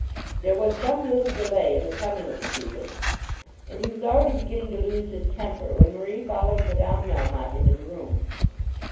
There was some little delay in the coming of the two women, and he was already beginning to lose his temper when Marie followed Madame Melmotte into the room.